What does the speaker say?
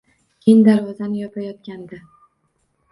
…Keyin darvozani yopayotganda